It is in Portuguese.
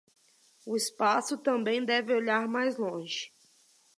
O espaço também deve olhar mais longe